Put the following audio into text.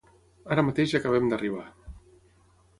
Ara mateix acabem d'arribar.